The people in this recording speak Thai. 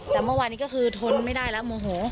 แต่เมื่อวานนี้ก็คือทนไม่ได้แล้วโมโห